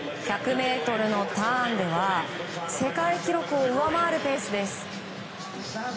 １００ｍのターンでは世界記録を上回るペースです。